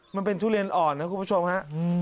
ทุเรียนอ่อนนะคุณผู้ชมฮะ